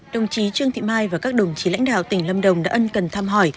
đồng chí trương thị mai và các đồng chí lãnh đạo tỉnh lâm đồng đã ân cần thăm hỏi